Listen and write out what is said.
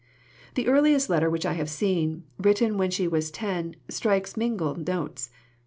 The earliest letter which I have seen, written when she was ten, strikes mingled notes.